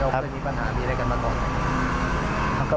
พวกเลยมีปัญหามีด้วยมาบอกครับ